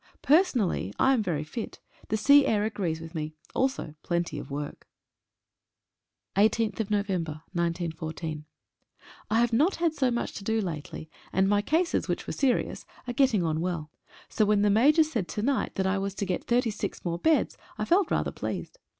Per sonally I am very fit; the sea air agrees with me, also plenty of work. ♦ a « 18/11/14. J HAVE not had so much to do lately, and my cases, which were serious, are getting on well. So when the Major said to night that I was to get thirty six more beds I felt rather pleased.